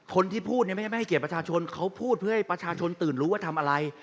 คนที่พูดเนี่ยไม่ใช่ไม่ให้เกียรติประชาชนเขาพูดเพื่อให้ประชาชนตื่นรู้ว่าทำอะไร